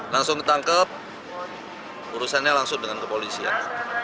langsung ketangkep urusannya langsung dengan kepolisian